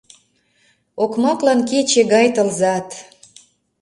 Окмаклан — кече гай тылзат.